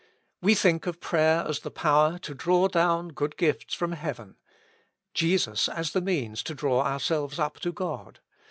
We think of prayer as the power to draw down good gifts from heaven ; Jesus as the means to draw ourselves up to God.